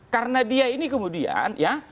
karena dia ini kemudian ya